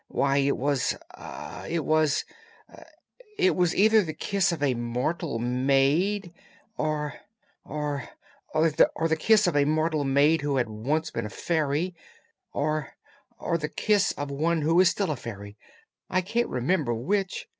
Why, it was it was it was either the kiss of a Mortal Maid; or or the kiss of a Mortal Maid who had once been a Fairy; or or the kiss of one who is still a Fairy. I can't remember which.